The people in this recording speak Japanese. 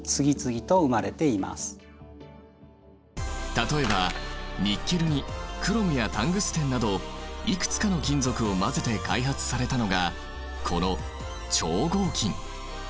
例えばニッケルにクロムやタングステンなどいくつかの金属を混ぜて開発されたのがこの超合金。